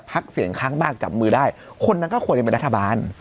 พักเสียงค้างบ้างจับมือได้คนนั้นก็ควรยังเป็นรัฐบาล